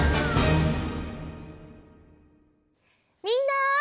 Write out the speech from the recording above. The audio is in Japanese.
みんな！